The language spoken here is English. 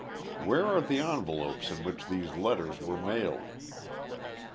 Where are the envelopes in which these letters were mailed?"